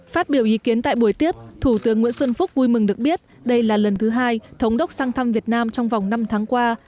phát biểu ý kiến tại buổi tiếp thủ tướng nguyễn xuân phúc vui mừng được biết đây là lần thứ hai thống đốc sang thăm việt nam trong vòng năm tháng qua